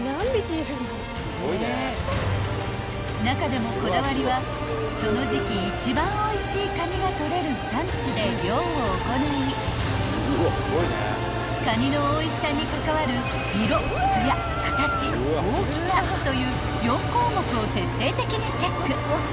［中でもこだわりはその時季一番おいしいカニが捕れる産地で漁を行いカニのおいしさに関わる「色」「艶」「カタチ」「大きさ」という４項目を徹底的にチェック］